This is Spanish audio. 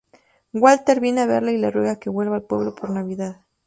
Walter viene a verla y le ruega que vuelva al pueblo por Navidad.